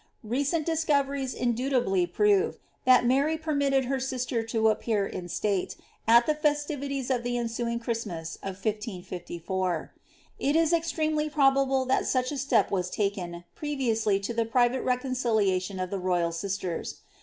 Recent discoyeries indubitably prove, that Mary pennitted hit sister to appear in state, at the festivities of the ensuing Christmas of 1664. It is extremely improbable that such a step was taken, previously to the private reconciliation of the royal sisters.